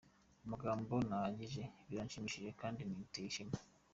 Amagambo ntahagije, biranshimishije kandi binteye ishema.